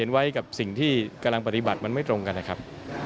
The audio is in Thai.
กำลังปฏิบัติมันไม่ตรงกันนะครับ